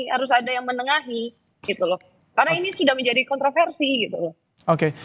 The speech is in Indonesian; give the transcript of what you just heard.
harus ada yang menengahi karena ini sudah menjadi kontroversi